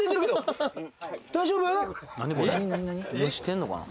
何してんのかな？